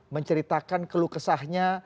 menceritakan keluh kesahnya